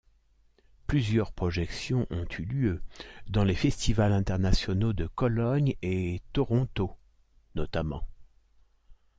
Plusieurs projections ont eu lieu dans les festivals internationaux de Cologne et Toronto notamment.